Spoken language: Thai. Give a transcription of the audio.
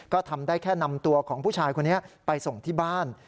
ก็ทำได้แค่นำตัวของผู้ชายคนนี้ไปส่งที่บ้าน